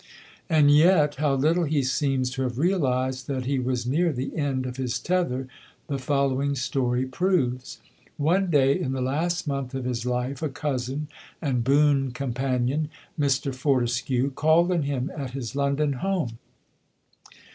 And yet, how little he seems to have realised that he was near the end of his tether the following story proves. One day in the last month of his life a cousin and boon companion, Mr Fortescue, called on him at his London home.